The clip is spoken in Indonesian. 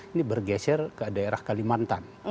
ini bergeser ke daerah kalimantan